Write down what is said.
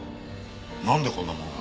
なんでこんなものが。